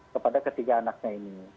kepada ketiga anaknya ini